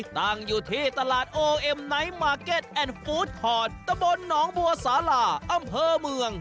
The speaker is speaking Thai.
ตั้งอยู่ที่ตลาดโอเอ็มไนท์มาร์เก็ตแอนดฟู้ดคอร์ดตะบนหนองบัวสาลาอำเภอเมือง